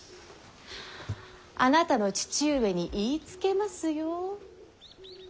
あなたの父上に言いつけますよ。